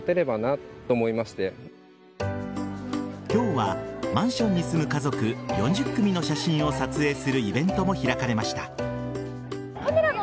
今日は、マンションに住む家族４０組の写真を撮影するイベントも開かれました。